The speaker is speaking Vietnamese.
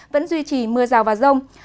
vẫn duy trì mưa rào và rông